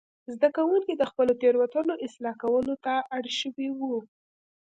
زده کوونکي د خپلو تېروتنو اصلاح کولو ته اړ شوي وو.